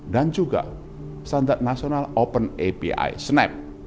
dan juga standard national open api snap